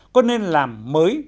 có nên làm mới